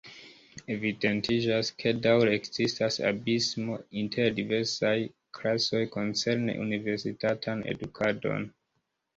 Evidentiĝas, ke daŭre ekzistas abismo inter diversaj klasoj koncerne universitatan edukadon.